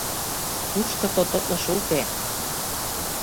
Тушто тототлышо уке.